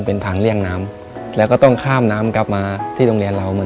ในแคมเปญพิเศษเกมต่อชีวิตโรงเรียนของหนู